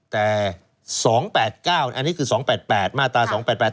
แต่สองแปดเก้าอันนี้คือสองแปดแปดมาตราสองแปดแปด